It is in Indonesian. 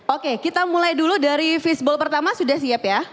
oke kita mulai dulu dari fishball pertama sudah siap ya